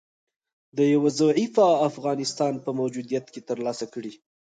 د یو ضعیفه افغانستان په موجودیت کې تر لاسه کړي